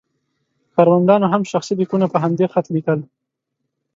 ښاروندانو هم شخصي لیکونه په همدې خط لیکل.